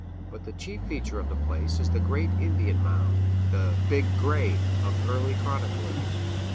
But the chief feature of the place is the great Indian mound the "Big Grave" of early chroniclers.